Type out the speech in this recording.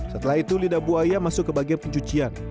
setelah itu lidah buaya masuk ke bagian pencucian